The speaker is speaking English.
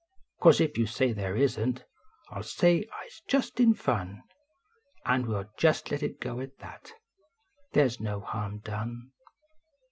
Course if you say they isn t. I ll say I s just in fun, And we ll just let it go at that Thev s no harm done.